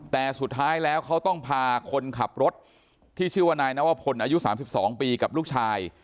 แต่สุดท้ายแล้วเขาต้องพาคนขับรถที่ชื่อว่านายนวพลอายุ๓๒ปีกับลูกชาย